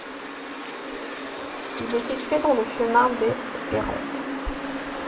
Il est situé dans le Chemin des et Rang.